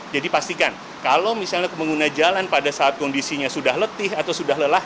jadi pastikan kalau misalnya pengguna jalan pada saat kondisinya sudah letih atau sudah lelah